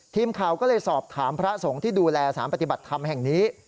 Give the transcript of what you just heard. ทีมข่าวก็เลยสอบถามพระสงฆ์ที่ดูแลสารปฏิบัติธรรมแห่งนี้